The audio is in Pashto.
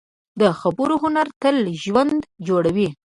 د خبرو هنر تل ژوند جوړوي